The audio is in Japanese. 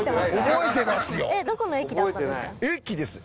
覚えてますよ。